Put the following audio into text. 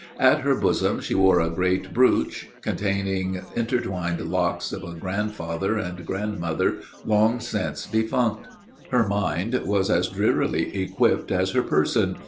At her bosom she wore a great brooch, containing intertwined locks of a grandfather and grandmother long since defunct. Her mind was as drearily equipped as her person.